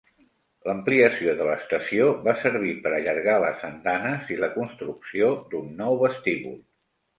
L'ampliació de l'estació va servir per allargar les andanes i la construcció d'un nou vestíbul.